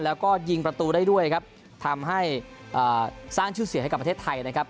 แล้วก็ยิงประตูได้ด้วยครับทำให้สร้างชื่อเสียงให้กับประเทศไทยนะครับ